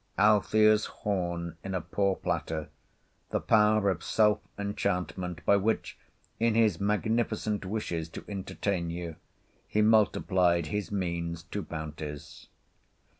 —Althea's horn in a poor platter—the power of self enchantment, by which, in his magnificent wishes to entertain you, he multiplied his means to bounties.